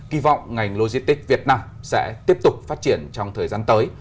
kỳ vọng ngành logistics việt nam sẽ tiếp tục phát triển trong thời gian tới